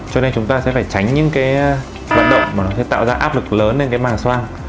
cho nên chúng ta sẽ phải tránh những cái vận động mà nó sẽ tạo ra áp lực lớn lên cái màng xoang